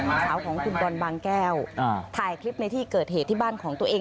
ลูกสาวของคุณบอลบางแก้วถ่ายคลิปในที่เกิดเหตุที่บ้านของตัวเอง